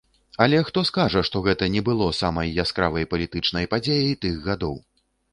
Але хто скажа, што гэта не было самай яскравай палітычнай падзеяй тых гадоў?